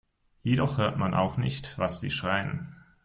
Jedoch hört man auch nicht, was sie schreien.